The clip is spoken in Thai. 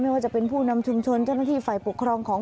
ว่าจะเป็นผู้นำชุมชนเจ้าหน้าที่ฝ่ายปกครองของ